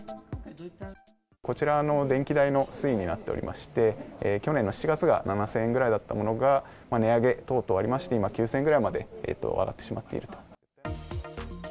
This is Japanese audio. こちら電気代の推移になっておりまして、去年の７月が７０００円ぐらいだったものが、値上げ等々ありまして、今、９０００円ぐらいまで上がってしまっていると。